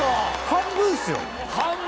半分ですよ。